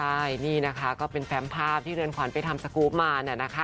ใช่นี่นะคะก็เป็นแฟมภาพที่เรือนขวานไปทำสกรูปมา